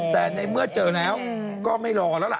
แต่ในเมื่อเจอแล้วก็ไม่รอแล้วล่ะ